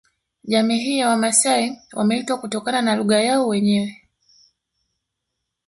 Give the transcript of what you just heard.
Jamii hii ya Wamasai wameitwa kutokana na lugha yao wenyewe